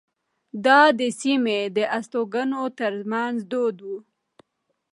دا د سیمې د استوګنو ترمنځ دود وو.